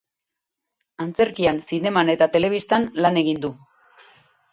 Antzerkian, zineman eta telebistan lan egin du.